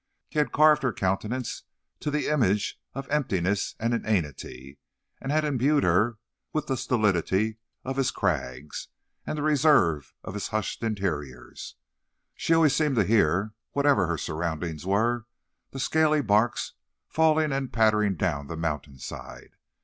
He had carved her countenance to the image of emptiness and inanity; had imbued her with the stolidity of his crags, and the reserve of his hushed interiors. She always seemed to hear, whatever her surroundings were, the scaly barks falling and pattering down the mountain side.